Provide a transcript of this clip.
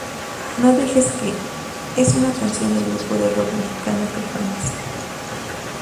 No Dejes Que... es una canción del grupo de rock mexicano Caifanes.